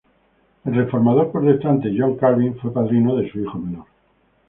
El reformados protestante John Calvin fue padrino de su hijo menor.